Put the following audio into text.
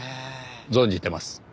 存じてます。